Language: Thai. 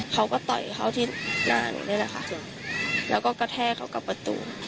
ต่อยเขาที่หน้าหนูนี่แหละค่ะแล้วก็กระแทกเขากับประตู